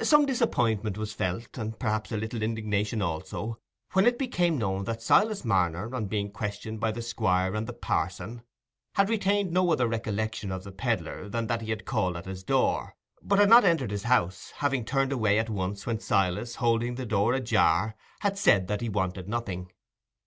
Some disappointment was felt, and perhaps a little indignation also, when it became known that Silas Marner, on being questioned by the Squire and the parson, had retained no other recollection of the pedlar than that he had called at his door, but had not entered his house, having turned away at once when Silas, holding the door ajar, had said that he wanted nothing.